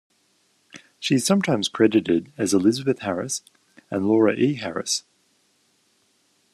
She is sometimes credited as Elizabeth Harris and Laura E. Harris.